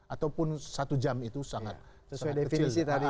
ataupun satu jam itu sangat kecil sekali